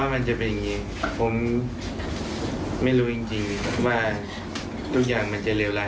ความทรงข้อเองเลยครับ